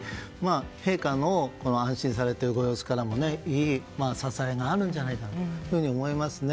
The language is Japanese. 陛下の安心されているご様子からもいい支えがあるんじゃないかと思いますね。